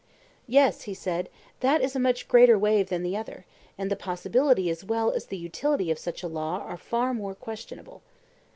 Yes, he said, that is a much greater wave than the other; and the possibility as well as the utility of such a law are far more questionable.